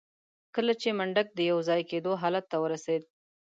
کله چې منډک د يوځای کېدو حالت ته ورسېده.